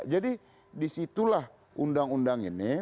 jadi disitulah undang undang ini